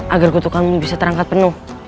agar kutukanmu bisa terangkat penuh